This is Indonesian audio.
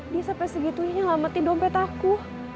dia sampai segitunya ngamatin dompet aku